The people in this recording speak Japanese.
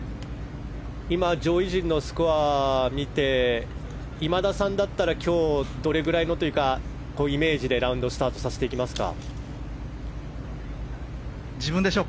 今、上位陣のスコアを見て今田さんだったら今日、どれくらいというかイメージでラウンドスタートさせていきますか？